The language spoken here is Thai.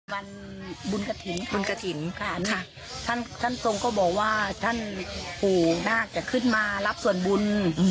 วันบุญกระถิ่นบุญกระถิ่นค่ะท่านท่านทรงก็บอกว่าท่านปู่นาคจะขึ้นมารับส่วนบุญ